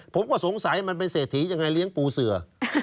ผมก็สงสัยมันเป็นเศรษฐียังไงเลี้ยงปูเสือ